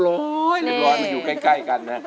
เรียบร้อยมันอยู่ใกล้กันนะ